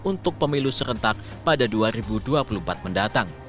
untuk pemilu serentak pada dua ribu dua puluh empat mendatang